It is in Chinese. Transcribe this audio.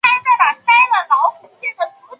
比克堡是德国下萨克森州的一个市镇。